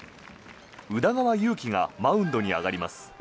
宇田川優希がマウンドに上がります。